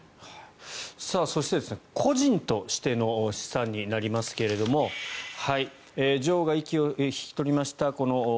そして個人としての資産になりますが女王が息を引き取りました